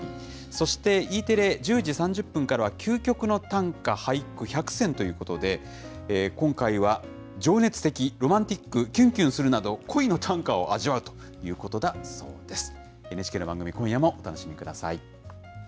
そして、Ｅテレ１０時３０分からは、究極の短歌・俳句１００選ということで、今回は情熱的、ロマンティック、きゅんきゅんするなど、恋の短歌を味わうということだそうです。